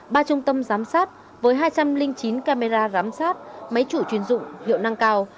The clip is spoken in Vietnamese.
ba trung tâm giám sát với hai trăm linh chín camera giám sát máy chủ chuyên dụng hiệu năng cao